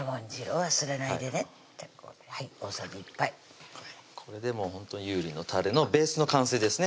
はい大さじ１杯これでもうほんとに油淋のたれのベースの完成ですね